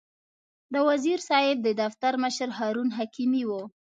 د وزیر صاحب د دفتر مشر هارون حکیمي و.